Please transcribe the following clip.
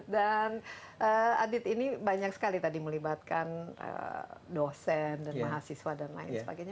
dan adit ini banyak sekali tadi melibatkan dosen dan mahasiswa dan lain sebagainya